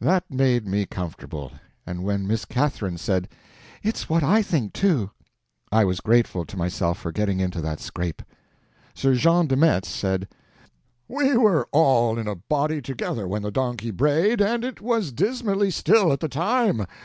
That made me comfortable, and when Miss Catherine said, "It's what I think, too," I was grateful to myself for getting into that scrape. Sir Jean de Metz said: "We were all in a body together when the donkey brayed, and it was dismally still at the time.